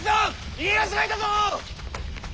家康がいたぞ！